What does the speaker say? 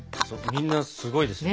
みんなすごいですよ。